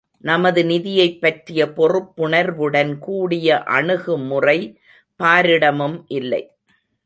நமது நிதியைப் பற்றிய பொறுப்புணர்வுடன் கூடிய அணுகுமுறை பாரிடமும் இல்லை.